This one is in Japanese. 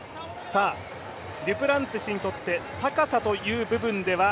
デュプランティスにとって、高さという部分では。